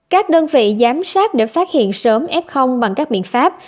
các đơn vị giám sát để phát hiện sớm f bằng các biện pháp